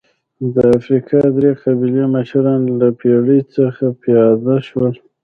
د افریقا درې قبایلي مشران له بېړۍ څخه پیاده شول.